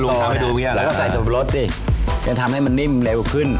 งันจะทำให้มันนิ่มเร็วขึ้น